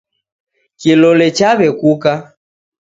Kilole chaw'ekuka.